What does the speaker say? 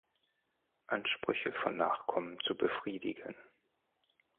Ansprüche von Nachkommen zu befriedigen.